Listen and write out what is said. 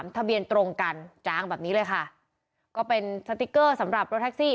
ทะเบียนตรงกันจางแบบนี้เลยค่ะก็เป็นสติ๊กเกอร์สำหรับรถแท็กซี่